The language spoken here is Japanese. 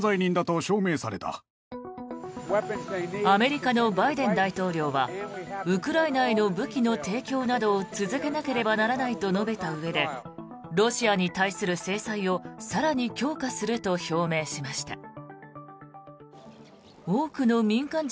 アメリカのバイデン大統領はウクライナへの武器の提供などを続けなければならないと述べたうえでロシアに対する制裁を更に強化すると表明しました。